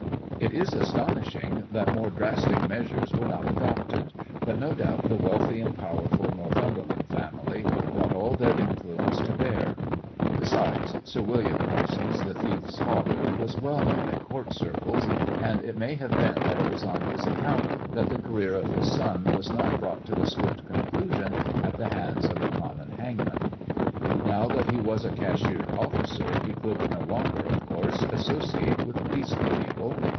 It is astonishing that more drastic measures were not adopted, but no doubt the wealthy and powerful Northumberland family brought all their influence to bear. Besides, Sir William Parsons, the thief's father, was well known in Court circles, and it may have been that it was on his account that the career of his son was not brought to a swift conclusion at the hands of the common hangman. Now that he was a cashiered officer he could no longer, of course, associate with decent people.